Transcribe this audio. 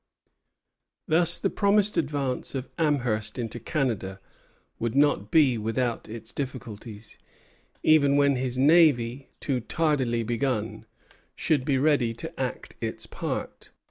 Thus the promised advance of Amherst into Canada would be not without its difficulties, even when his navy, too tardily begun, should be ready to act its part.